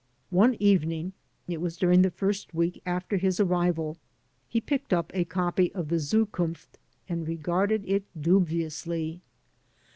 One evening — ^it was during the first week after his arrival — ^he picked up a copy of the Zukunft and regarded it dubiously.